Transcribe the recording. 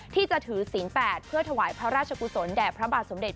ที่จะถือศีล๘เพื่อถวายพระราชกุศลแด่พระบาทสมเด็จ